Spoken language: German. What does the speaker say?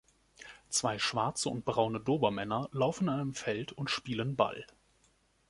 Zwei schwarze und braune Dobermänner laufen in einem Feld und spielen Ball.